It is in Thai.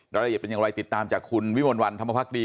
รายละเอียดเป็นอย่างไรติดตามจากคุณวิมลวันธรรมภักดี